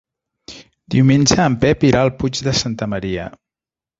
Diumenge en Pep irà al Puig de Santa Maria.